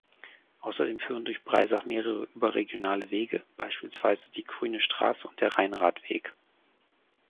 Außerdem führen durch Breisach mehrere überregionale Wege, beispielsweise die Grüne Straße und der Rheinradweg.